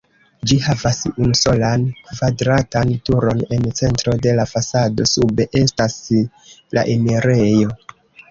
Ĝi havas unusolan kvadratan turon en centro de la fasado, sube estas la enirejo.